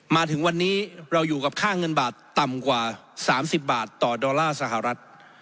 มาถึงวันนี้เราอยู่กับค่าเงินบาทต่ำกว่า๓๐บาทต่อดอลลาร์สหรัฐ